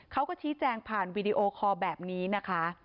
เขาก็ชี้แจงผ่านวีดีโอคอลแบบนี้นะคะ